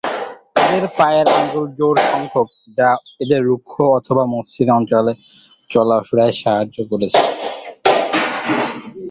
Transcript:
এদের পায়ের আঙ্গুল জোর সংখ্যক, যা এদের রুক্ষ অথবা মসৃণ অঞ্চলে চলাফেরায় সাহায্য করে।